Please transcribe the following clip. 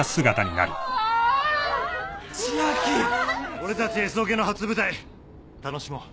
俺たちＳオケの初舞台楽しもう。